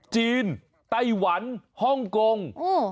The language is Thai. ไต้หวันฮ่องกง